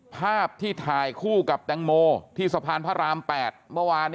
ภาพที่ถ่ายคู่กับแตงโมที่สะพานพระราม๘เมื่อวาน